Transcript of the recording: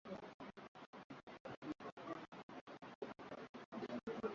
kitengo hiki kumemfanya awe mtu wa tuhuma za uongo kikweli kweli na watu wengi